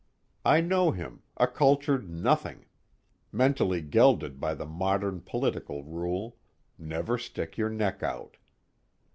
I know him, a cultured nothing, mentally gelded by the modern political rule, never stick your neck out.